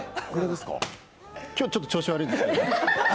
今日、ちょっと調子悪いですけど。